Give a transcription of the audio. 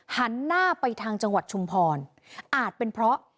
หันหน้าไปทางจังหวัดชุมพรอาจเป็นเพราะ